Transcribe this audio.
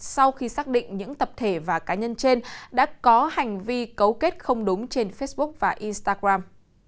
sau khi xác định những tập thể và cá nhân trên đã có hành vi cấu kết không đúng trên facebook và instagram